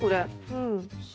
うん。